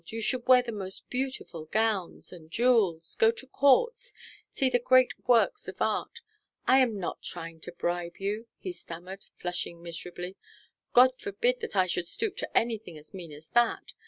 You should wear the most beautiful gowns and jewels, go to courts, see the great works of art I am not trying to bribe you," he stammered, flushing miserably. "God forbid that I should stoop to anything as mean as that.